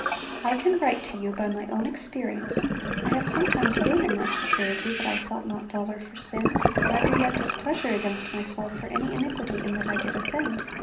'I can write to you by my own experience. I have sometimes been in that security that I felt not dolour for sin, neither yet displeasure against myself for any iniquity in that I did offend.